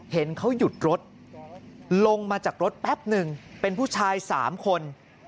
เห็นเขาหยุดรถลงมาจากรถแป๊บหนึ่งเป็นผู้ชาย๓คน